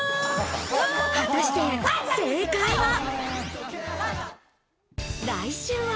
果たして正解は。